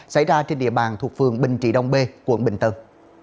xảy ra trên địa bàn thuộc phường bình trị đông b quận bình tân